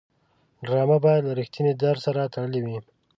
ډرامه باید له رښتینې درد سره تړلې وي